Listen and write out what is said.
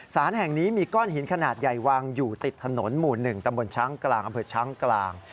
สารแห่งนี้มีก้อนหินขนาดใหญ่วางอยู่ติดถนนหมู่๑ตำบลช้างกลางอำเภอช้างกลาง